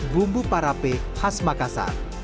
bumbu parape khas makassar